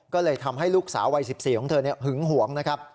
ก็เลยทำให้ลูกสาววัย๑๔ของเธอหึงหวงนะครับ